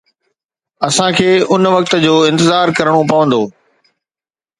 اسان کي ان وقت جو انتظار ڪرڻو پوندو.